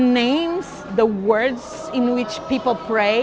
nama kata yang diberikan oleh orang